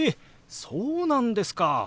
そうなんですか！